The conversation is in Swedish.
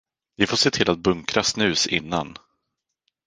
Vi får se till att bunkra snus innan.